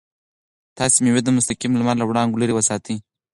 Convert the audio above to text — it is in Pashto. تاسو مېوې د مستقیم لمر له وړانګو لرې وساتئ.